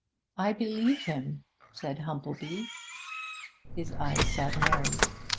'I believe him,' said Humplebee. His eyes sought Mary's.